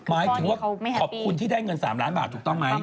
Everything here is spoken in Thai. หมายถึงว่าขอบคุณที่ได้เงิน๓ล้านบาทถูกต้องไหม